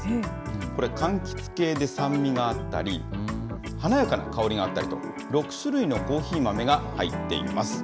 これ、かんきつ系で酸味があったり、華やかな香りがあったりと、６種類のコーヒー豆が入っています。